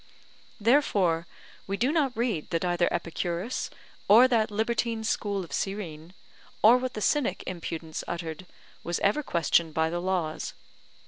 Therefore we do not read that either Epicurus, or that libertine school of Cyrene, or what the Cynic impudence uttered, was ever questioned by the laws.